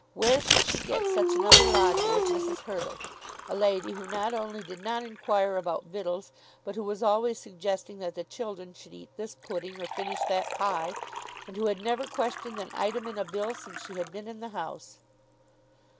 Where should she get such another lodger as Mrs. Hurtle, a lady who not only did not inquire about victuals, but who was always suggesting that the children should eat this pudding or finish that pie, and who had never questioned an item in a bill since she had been in the house!